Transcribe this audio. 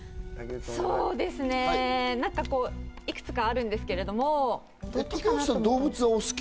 そうですね何かこういくつかあるんですけれども竹内さん